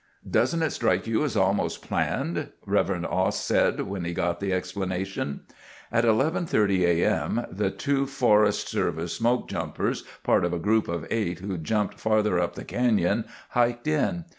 "Doesn't it strike you as almost planned?" Rev. Ost said when he got the explanation. At 11:30 A. M. the two Forest Service smokejumpers, part of a group of eight who'd jumped farther up the canyon, hiked in.